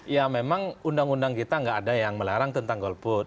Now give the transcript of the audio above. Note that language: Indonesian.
ya memang undang undang kita nggak ada yang melarang tentang golput